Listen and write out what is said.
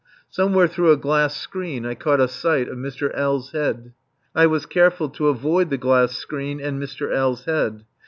Somewhere through a glass screen I caught a sight of Mr. L.'s head. I was careful to avoid the glass screen and Mr. L.'s head.